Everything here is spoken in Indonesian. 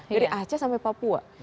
dari aceh sampai papua